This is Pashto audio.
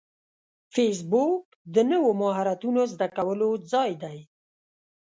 فېسبوک د نوو مهارتونو زده کولو ځای دی